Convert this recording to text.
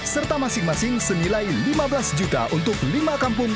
serta masing masing senilai lima belas juta untuk lima kampung